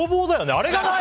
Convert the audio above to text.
あれがない！